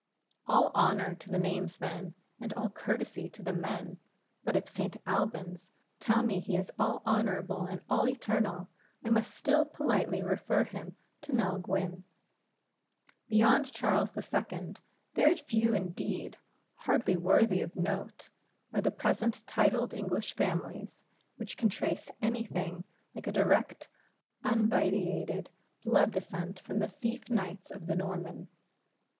All honor to the names then, and all courtesy to the men; but if St. Albans tell me he is all honorable and all eternal, I must still politely refer him to Nell Gwynne. Beyond Charles II. very few indeed hardly worthy of note are the present titled English families which can trace any thing like a direct unvitiated blood descent from the thief knights of the Norman.